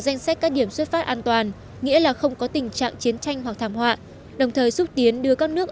danh sách nghĩa là không có tình trạng chiến tranh hoặc thảm họa đồng thời xúc tiến đưa các nước